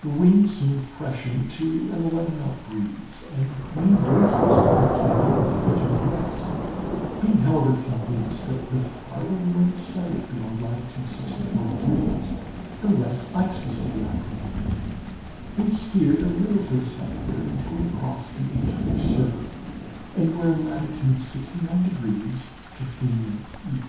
"The wind soon freshened to an eleven knot breeze, and we embraced this opportunity of making to the west; being however convinced that the farther we went south beyond latitude sixty four degrees, the less ice was to be apprehended, we steered a little to the southward, until we crossed the Antarctic circle, and were in latitude 69 degrees 15' E.